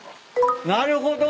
なるほど。